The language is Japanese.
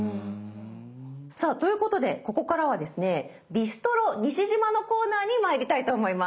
さあということでここからはですね「ビストロＮＩＳＨＩＪＩＭＡ」のコーナーに参りたいと思います。